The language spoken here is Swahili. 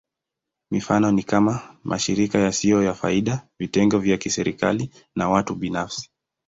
Mifano ni kama: mashirika yasiyo ya faida, vitengo vya kiserikali, na watu binafsi.